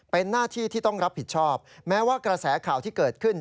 เป็นหน้าที่ที่ต้องรับผิดชอบแม้ว่ากระแสข่าวที่เกิดขึ้น